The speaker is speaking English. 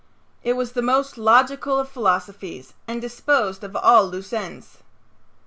It was the most logical of philosophies and disposed of all loose ends.